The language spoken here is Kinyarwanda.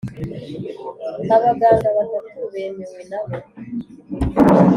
abaganga batatu bemewe nabo